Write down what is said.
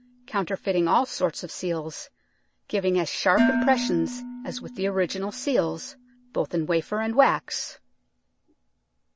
Counterfeiting all sorts of seals, giving as sharp impressions as with the original seals, both in wafer and wax.